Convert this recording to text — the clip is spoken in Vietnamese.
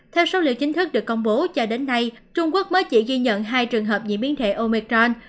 theo số liệu chính thức được công bố cho đến nay trung quốc mới chỉ ghi nhận hai trường hợp diễn biến thể omecran